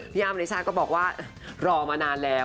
พี่ย่ามาริชาก็บอกว่ารอมานานแล้ว